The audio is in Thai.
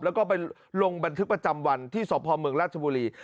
แล้วก็ไปลงบรรทึกประจำวันที่สพรถบุรี